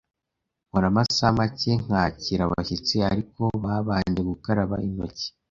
Nkora amasaha make nkakira abashyitsi ark babanje gukaraba intoki.